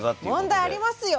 問題ありますよ！